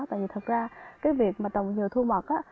tại vì thật ra cái việc mà trồng dừa thu mật á